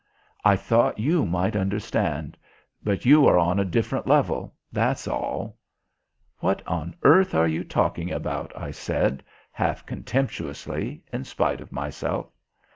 I thought you might understand; but you are on a different level: that's all." "What on earth are you talking about?" I said, half contemptuously, in spite of myself.